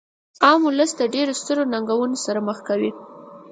عام ولس د ډیرو سترو ننګونو سره مخ کوي.